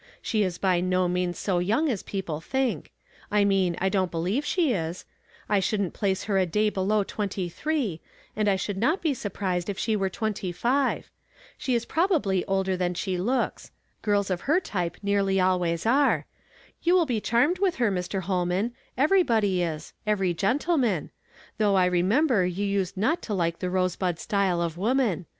She is by no means so young as people think. I nii ui I dgn't believe she is, I shouldn't place her a day below twenty three, and I should not be surprised if she were twenty five. She is probably older than she looks ; girls of her type nearly always are. You will be charmed \\ith her, Mr. Ilolman, everybody is, every gentleman; though I remend)er you used not to like the rose bud style of woman.